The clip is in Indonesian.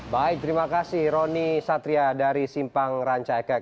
baik terima kasih roni satria dari simpang ranca ekek